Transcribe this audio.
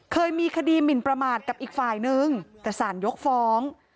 เคยมีคดีหมินประมาทกับอีกฝ่ายนึงแต่สารยกฟ้อง